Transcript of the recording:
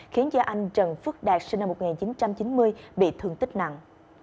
khiến cho anh trần phước đạt sinh năm một nghìn chín trăm chín mươi bị thương tích nặng